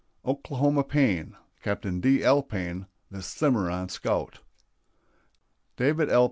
"OKLAHOMA PAYNE" (CAPT. D. L. PAYNE), THE CIMARRON SCOUT. David L.